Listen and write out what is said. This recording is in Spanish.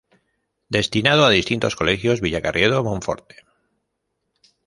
Destinado a distintos colegios, Villacarriedo, Monforte.